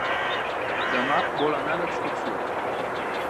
Demà vol anar d'excursió.